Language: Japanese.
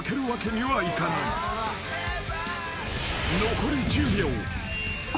［残り１０秒］